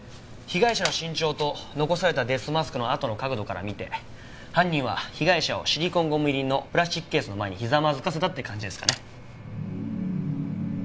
被害者の身長と残されたデスマスクの跡の角度から見て犯人は被害者をシリコンゴム入りのプラスチックケースの前にひざまずかせたって感じですかね。